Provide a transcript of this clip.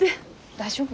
大丈夫？